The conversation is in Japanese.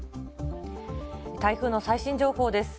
台風の最新情報です。